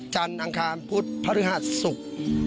จันทร์อังคารพุทธพฤหาสุข